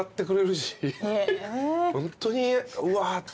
ホントにうわって。